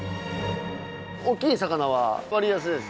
大きい魚は割安です。